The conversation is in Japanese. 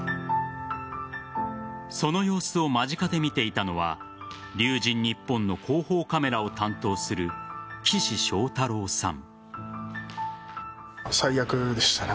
その様子を間近で見ていたのは龍神ＮＩＰＰＯＮの広報カメラを担当する岸翔太郎さん。